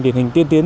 điển hình tiên tiến